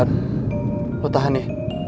lan lo tahan ya